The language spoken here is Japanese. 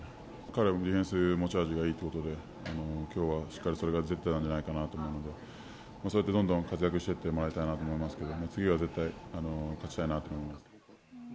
彼もディフェンスの持ち味がいいということで、きょうはしっかりそれが出てたんじゃないかなと思うんで、そうやってどんどん活躍していってもらいたいなと思いますけれども、次は絶対勝ちたいなと思います。